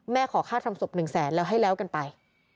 แม่ขอค่าทำศพ๑๐๐๐๐๐ติดล้ำแล้วให้แล้วกันไป